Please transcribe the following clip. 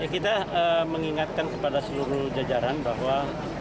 kita mengingatkan kepada seluruh jajaran bahwa